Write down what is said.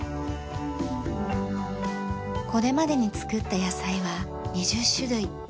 これまでに作った野菜は２０種類。